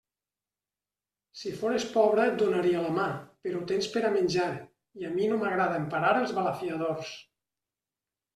Si fores pobra, et donaria la mà; però tens per a menjar, i a mi no m'agrada emparar els balafiadors.